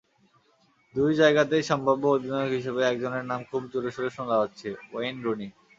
দুই জায়গাতেই সম্ভাব্য অধিনায়ক হিসেবে একজনের নাম খুব জোরেশোরে শোনা যাচ্ছে—ওয়েইন রুনি।